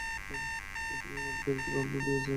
তুমি এই মাটিতে একটা রত্ন জন্ম দিয়েছ, ইয়াশোদা!